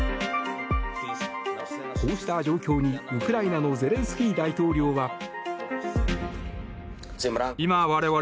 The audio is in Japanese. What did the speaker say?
こうした状況に、ウクライナのゼレンスキー大統領は。